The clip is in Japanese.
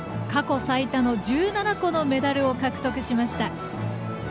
過去最多の１７個のメダルを獲得しました。